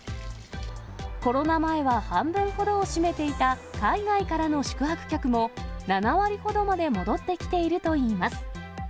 コロナ前は半分ほどを占めていた海外からの宿泊客も、７割ほどまで戻ってきているといいます。